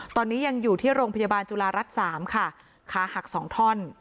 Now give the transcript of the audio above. ตอนนี้ยังอยู่ที่โรงพยาบาลจุฬารัฐ๓ค่ะขาหักสองท่อน